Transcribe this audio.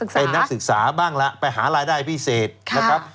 เป็นนักศึกษาบ้างละไปหารายได้พิเศษนะครับ